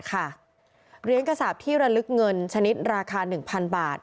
เหรียญกระสาปที่ระลึกเงินชนิดราคา๑๐๐๐บาท